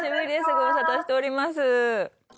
ご無沙汰しております。